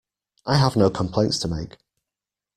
I have no complaints to make.